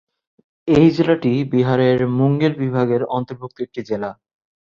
এই জেলাটি বিহারের মুঙ্গের বিভাগের অন্তর্ভুক্ত একটি জেলা।